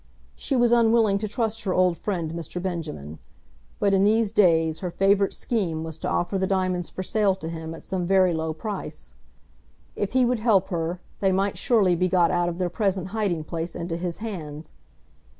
She was unwilling to trust her old friend Mr. Benjamin; but in these days her favourite scheme was to offer the diamonds for sale to him at some very low price. If he would help her they might surely be got out of their present hiding place into his hands.